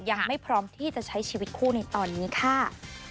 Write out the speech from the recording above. ยังไม่พร้อมที่จะใช้ชีวิตคู่ในตอนนี้ค่ะ